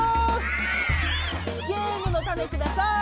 ゲームのタネください！